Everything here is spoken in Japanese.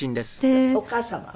お母様は？